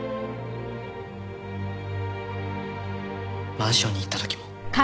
マンションに行った時も。